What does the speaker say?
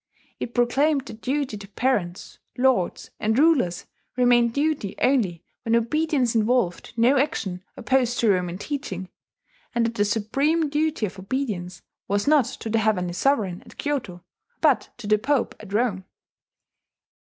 It proclaimed that duty to parents, lords, and rulers remained duty only when obedience involved no action opposed to Roman teaching, and that the supreme duty of obedience was not to the Heavenly Sovereign at Kyoto, but to the Pope at Rome.